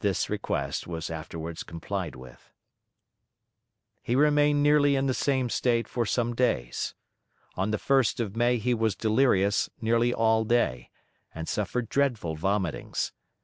This request was afterwards complied with. He remained nearly in the same state for some days. On the 1st of May he was delirious nearly all day, and suffered dreadful vomitings.